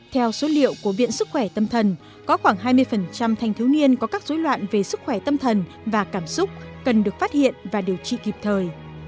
theo số liệu của viện sức khỏe tâm thần có khoảng hai mươi thanh thiếu niên có các dối loạn về sức khỏe tâm thần và cảm xúc cần được phát hiện và điều trị kịp thời